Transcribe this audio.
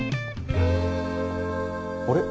あれ？